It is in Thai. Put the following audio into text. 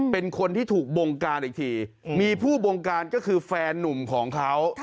เป็นคนที่ถูกบงการอีกทีมีผู้บงการก็คือแฟนนุ่มของเขา